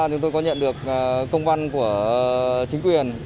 chúng tôi có nhận được công văn của chính quyền